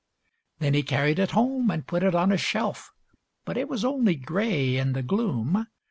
Then he carried it home, and put it on a shelf, But it was only grey in the gloom.